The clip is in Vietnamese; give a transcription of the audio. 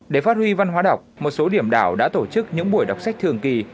để phát huy văn hóa đọc một số điểm đảo đã tổ chức những buổi đọc sách thường kỳ